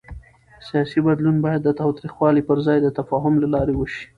سیاسي بدلون باید د تاوتریخوالي پر ځای د تفاهم له لارې وشي